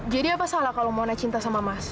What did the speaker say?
jadi apa salah kalau mona cinta sama mas